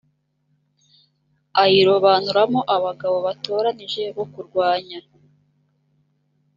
ayirobanuramo abagabo batoranije bo kurwanya